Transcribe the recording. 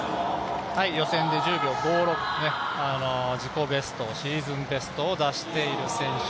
予選で１０秒５６、自己ベスト、シーズンベストを出している選手